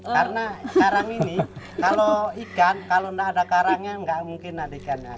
karena karang ini kalau ikan kalau tidak ada karangnya tidak mungkin ada ikannya